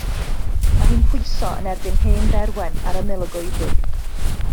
Roedd hi'n pwyso yn erbyn hen dderwen ar ymyl y goedwig.